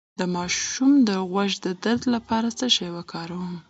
د ماشوم د غوږ د درد لپاره څه شی وکاروم؟